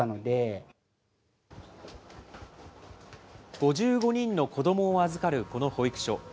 ５５人の子どもを預かるこの保育所。